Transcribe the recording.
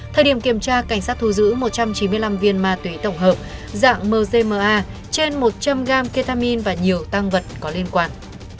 thời điểm kiểm tra cảnh sát thu giữ một trăm chín mươi năm viên ma túy tổng hợp dạng mzma trên một trăm linh gram ketamin và nhiều tăng vật có liên quan